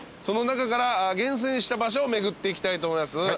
その中から厳選した場所を巡っていきたいと思います。